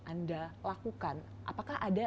anda lakukan apakah ada